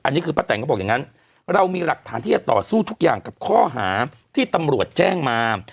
อันนี้คือป้าแต่งก็บอกอย่างนั้นเรามีหลักฐานที่จะต่อสู้ทุกอย่างกับข้อหาที่ตำรวจแจ้งมา